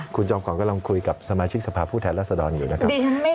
คุณจอมขวัญกำลังคุยกับสมาชิกสภาพผู้แทนรัศดรอยู่นะครับ